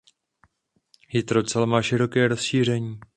Jitrocel má široké rozšíření.